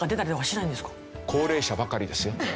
高齢者ばかりですよ。